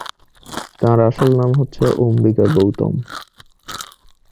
তাঁর আসল নাম হচ্ছে অম্বিকা গৌতম।